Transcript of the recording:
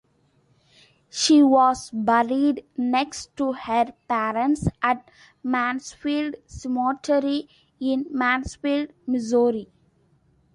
She was buried next to her parents at Mansfield Cemetery in Mansfield, Missouri.